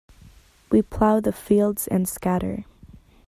We plough the fields and scatter.